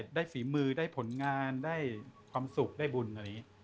ฝีมือได้ผลงานได้ความสุขได้บุญอะไรอย่างนี้